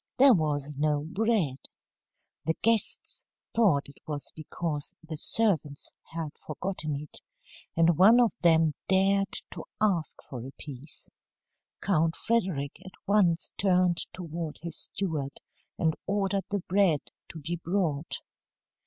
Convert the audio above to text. There was no bread. The guests thought it was because the servants had forgotten it, and one of them dared to ask for a piece. Count Frederick at once turned toward his steward and ordered the bread to be brought.